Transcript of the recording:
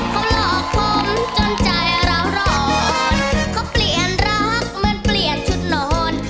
ขอบลอบผมจนใจเรารอดของเปลี่ยนรักเหมือนเปลี่ยนที่เราหนอน